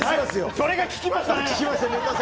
それが効きましたね。